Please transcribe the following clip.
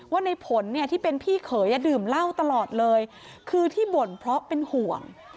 ว่าในผลเนี่ยที่เป็นพี่เขยดื่มเหล้าตลอดเลยคือที่บ่นเพราะเป็นห่วง